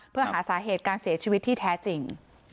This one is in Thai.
เพื่อหาสาเหตุการเสียชีวิตที่แท้จริง